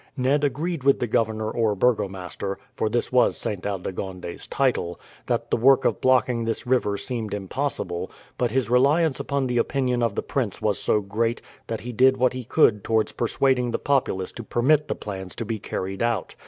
Ned agreed with the governor or burgomaster for this was Saint Aldegonde's title that the work of blocking this river seemed impossible, but his reliance upon the opinion of the prince was so great that he did what he could towards persuading the populace to permit the plans to be carried out.